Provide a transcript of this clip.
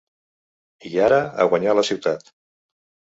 I ara, a guanyar la ciutat!